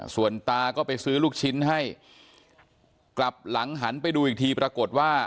ส่วนตาก็ไปซื้อลูกชิ้นให้กลับหลังหันไปดูอีกทีปรากฏว่า